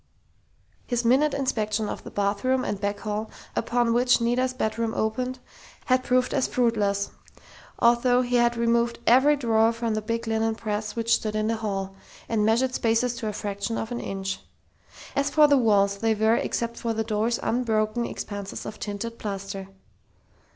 His minute inspection of the bathroom and back hall, upon which Nita's bedroom opened, had proved as fruitless, although he had removed every drawer from the big linen press which stood in the hall, and measured spaces to a fraction of an inch. As for the walls, they were, except for the doors, unbroken expanses of tinted plaster.